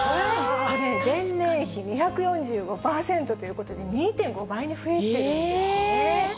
前年比２４５％ということで、２．５倍に増えてるんですね。